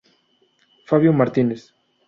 Fabio Martínez.